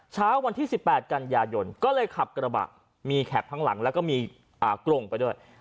เช้าวันที่๑๘กันยายนก็เลยขับกระบะมีแข็บข้างหลังแล้วก็มีกรงไปด้วย